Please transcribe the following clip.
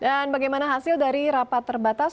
dan bagaimana hasil dari rapat terbatas